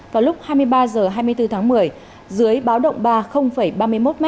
vào lúc hai mươi ba h hai mươi bốn tháng một mươi dưới báo động ba ba mươi một m